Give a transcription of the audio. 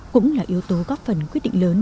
cũng là yếu tố góp phần quyết định lớn